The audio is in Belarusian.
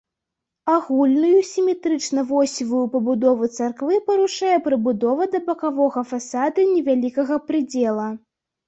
Агульную сіметрычна-восевую пабудову царквы парушае прыбудова да бакавога фасада невялікага прыдзела.